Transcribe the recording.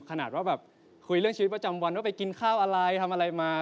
ขนาดว่าแบบคุยเรื่องชีวิตประจำวันว่าไปกินข้าวอะไรทำอะไรมา